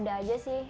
ada aja sih